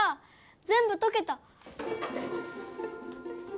ぜんぶとけた！